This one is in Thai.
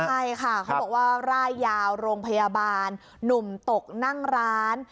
ใช่ค่ะเขาบอกว่าร่ายยาวโรงพยาบาลหนุ่มตกนั่งร้าน